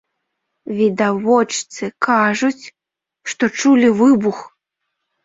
Відавочцы кажуць, што чулі выбух.